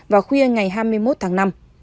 vào khuya ngày hai mươi một tháng năm